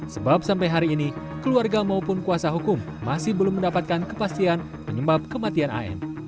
sebab sampai hari ini keluarga maupun kuasa hukum masih belum mendapatkan kepastian penyebab kematian an